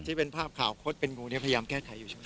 ที่เป็นภาพข่าวโคตรเป็นงูเนี่ยพยายามแก้ไขอยู่